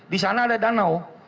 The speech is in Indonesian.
di sana ada danau